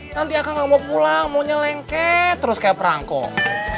nanti akan ngamuk pulang maunya lengket terus kayak perangkong